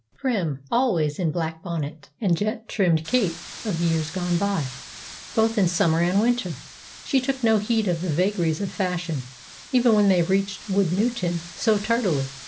Prim, always in black bonnet and jet trimmed cape of years gone by, both in summer and winter, she took no heed of the vagaries of fashion, even when they reached Woodnewton so tardily.